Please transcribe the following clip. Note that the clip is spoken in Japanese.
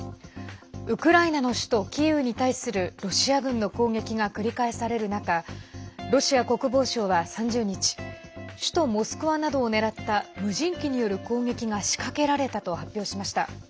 ウクライナの首都キーウに対するロシア軍の攻撃が繰り返される中ロシア国防省は３０日首都モスクワなどを狙った無人機による攻撃が仕掛けられたと発表しました。